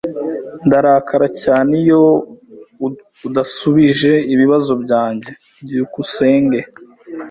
Ndarakara cyane iyo udasubije ibibazo byanjye. byukusenge